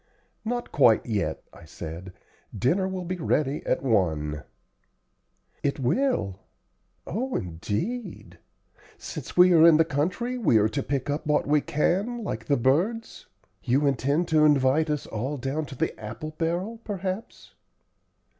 "Not quite yet," I said; "dinner will be ready at one." "It will? Oh, indeed! Since we are in the country we are to pick up what we can, like the birds. You intend to invite us all down to the apple barrel, perhaps."